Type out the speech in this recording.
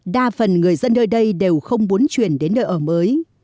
đa phần người dân nơi đây đều không muốn chuyển đến nơi ở mới